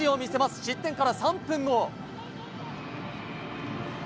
失点から３分後。